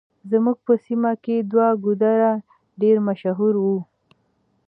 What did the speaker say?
زموږ په سيمه کې دوه ګودره ډېر مشهور وو.